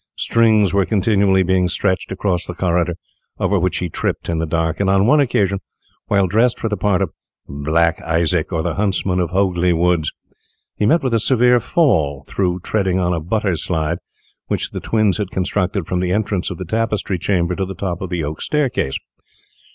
Strings were continually being stretched across the corridor, over which he tripped in the dark, and on one occasion, while dressed for the part of "Black Isaac, or the Huntsman of Hogley Woods," he met with a severe fall, through treading on a butter slide, which the twins had constructed from the entrance of the Tapestry Chamber to the top of the oak staircase.